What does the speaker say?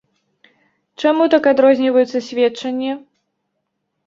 Чаму так адрозніваюцца сведчанні?